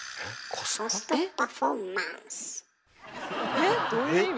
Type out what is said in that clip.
えっどういう意味？